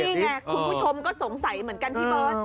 นี่ไงคุณผู้ชมก็สงสัยเหมือนกันพี่เบิร์ต